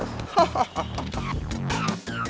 udah ada disini